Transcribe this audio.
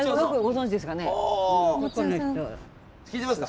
聞いてみますか。